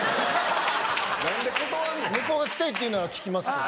向こうが来たいって言うなら聞きますけど。